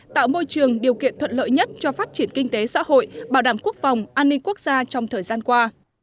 tạo môi trường điều kiện thuận lợi nhất cho phát triển kinh tế xã hội bảo đảm quốc phòng an ninh quốc gia trong thời gian qua